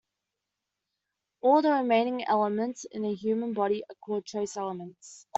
All of the remaining elements in a human body are called "trace elements".